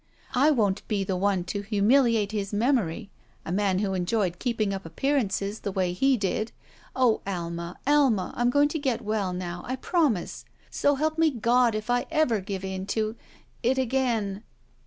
I won't be the one to humiliate his memory — a man who enjoyed keeping up appear ances the way he did. Oh, Alma, Alma, I'm going to get well now! I promise. So help me God if I ever give in to — it again."